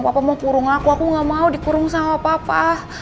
papa mau kurung aku aku gak mau dikurung sama papa